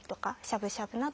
しゃぶしゃぶあ